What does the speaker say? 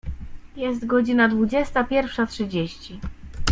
Jest godzina dwudziesta pierwsza trzydzieści.